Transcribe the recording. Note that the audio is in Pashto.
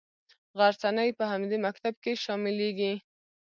غرڅنۍ په همدې مکتب کې شاملیږي.